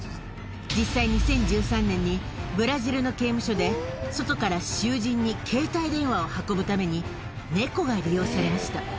実際、２０１３年にブラジルの刑務所で、外から囚人に携帯電話を運ぶために、ネコが利用されました。